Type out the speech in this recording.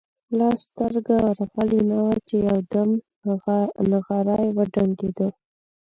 لا سترګه ورغلې نه وه چې یو دم نغاره وډنګېده.